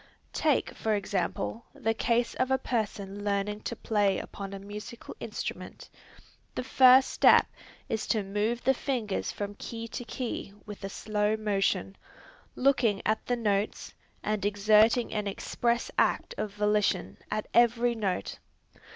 Take for example, the case of a person learning to play upon a musical instrument. The first step is to move the fingers from key to key with a slow motion, looking at the notes, and exerting an express act of volition at every note.